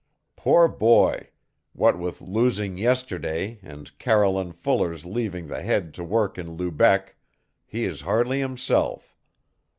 Poor boy, what with losing yesterday and Caroline Fuller's leaving the Head to work in Lubec, he is hardly himself.